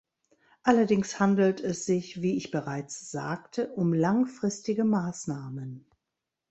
Allerdings handelt es sich, wie ich bereits sagte, um langfristige Maßnahmen.